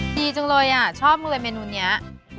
ดีจังเลยอ่ะชอบเลยเมนูนี้